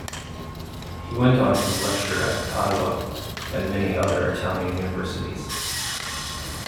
He went on to lecture at Padua and many other Italian universities.